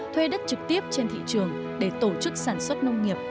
thuê đất trực tiếp trên thị trường để tổ chức sản xuất nông nghiệp